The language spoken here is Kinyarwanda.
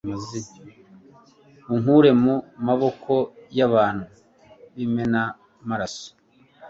unkure mu maboko y’abantu b’imenamaraso